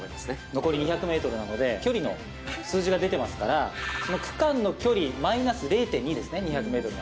残り２００メートルなので、距離の数字が出てますから、その区間の距離、マイナス０．２ですね、２００メートル前。